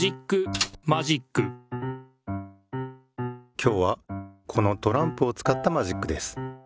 今日はこのトランプをつかったマジックです。